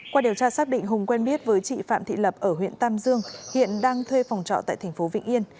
qua điều tra xác định hùng quen biết với chị phạm thị lập ở huyện tam dương hiện đang thuê phòng trọ tại thành phố vĩnh yên